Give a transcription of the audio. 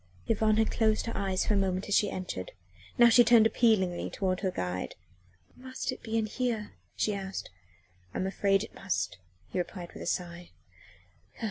IV Yvonne had closed her eyes for a moment as she entered; now she turned appealingly toward her guide. "Must it be in here?" she asked. "I am afraid it must," he replied with a sigh.